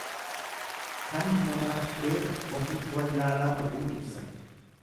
Kan namaaf beeku ofiif wallaalaa ta'uu ibsa.